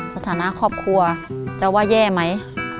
สถานะครอบครัวจะว่าแย่ไหม